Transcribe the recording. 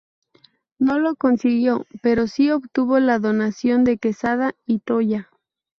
No lo consiguió, pero sí obtuvo la donación de Quesada y Toya.